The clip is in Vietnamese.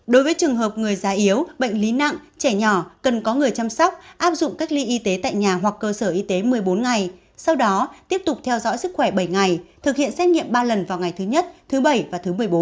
đối với trường hợp người già yếu bệnh lý nặng trẻ nhỏ cần có người chăm sóc áp dụng cách ly y tế tại nhà hoặc cơ sở y tế một mươi bốn ngày sau đó tiếp tục theo dõi sức khỏe bảy ngày thực hiện xét nghiệm ba lần vào ngày thứ nhất thứ bảy và thứ một mươi bốn